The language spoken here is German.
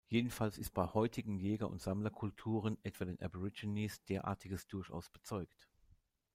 Jedenfalls ist bei heutigen Jäger-und-Sammler-Kulturen, etwa den Aborigines, derartiges durchaus bezeugt.